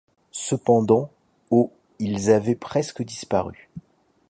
Cependant au ils avaient presque disparu.